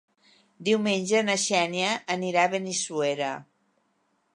Diumenge na Xènia anirà a Benissuera.